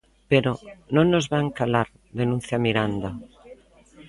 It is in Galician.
Pero non nos van calar, denuncia Miranda.